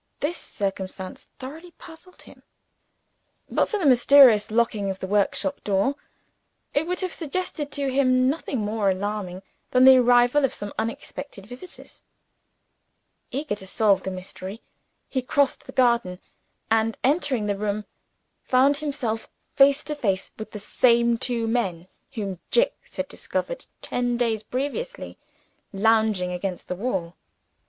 This circumstance thoroughly puzzled him. But for the mysterious locking of the workshop door, it would have suggested to him nothing more alarming than the arrival of some unexpected visitors. Eager to solve the mystery, he crossed the garden; and, entering the room, found himself face to face with the same two men whom Jicks had discovered ten days previously lounging against the wall.